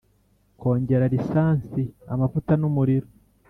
kongera lisansi (amavuta) numuriro